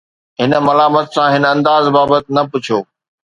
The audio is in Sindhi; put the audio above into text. هن ملامت سان هن انداز بابت نه پڇو